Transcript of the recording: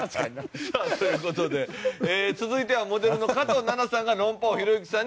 さあという事で続いてはモデルの加藤ナナさんが論破王ひろゆきさんに挑みます。